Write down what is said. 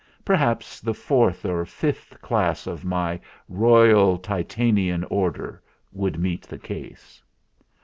Perhaps the fourth or fifth class of my Royal Titanian Order would meet the case."